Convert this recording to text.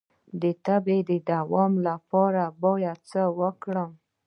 د تبې د دوام لپاره باید څه وکړم؟